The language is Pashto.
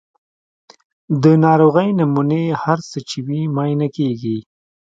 د ناروغۍ نمونې هر څه چې وي معاینه کیږي.